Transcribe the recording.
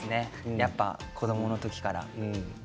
やっぱり子どものころから。